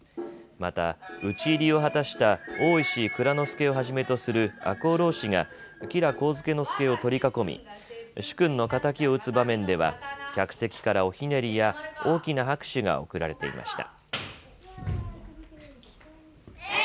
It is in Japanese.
また討ち入りを果たした大石内蔵助をはじめとする赤穂浪士が吉良上野介を取り囲み主君の敵を討つ場面では客席からおひねりや大きな拍手が送られていました。